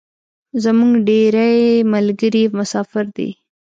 زمونږ ډیری ملګري مسافر دی